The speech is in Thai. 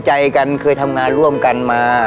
ใจกันเคยทำงานร่วมกันมา